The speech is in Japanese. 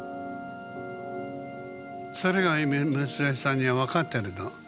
それが娘さんには分かってるの。